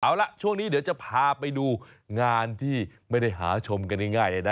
เอาละช่วงนี้เดี๋ยวจะพาไปดูงานที่ไม่ได้หาชมกันง่ายเลยนะ